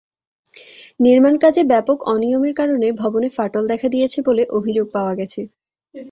নির্মাণকাজে ব্যাপক অনিয়মের কারণে ভবনে ফাটল দেখা দিয়েছে বলে অভিযোগ পাওয়া গেছে।